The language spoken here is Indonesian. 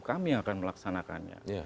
kami yang akan melaksanakannya